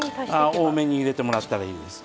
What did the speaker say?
多めに入れてもらったらいいです。